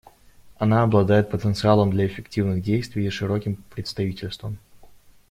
Она обладает потенциалом для эффективных действий и широким представительством.